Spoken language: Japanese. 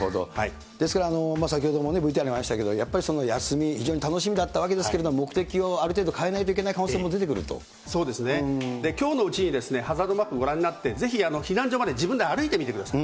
ですから、先ほどもＶＴＲにもありましたけど、休み、非常に楽しみだったわけですけど、目的をある程度、変えないといけきょうのうちにハザードマップご覧になって、ぜひ避難所まで自分で歩いてみてください。